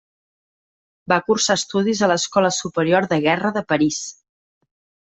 Va cursar estudis a l'Escola Superior de Guerra de París.